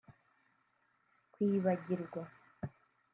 kwibagirwa